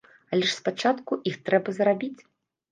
Але ж спачатку іх трэба зарабіць!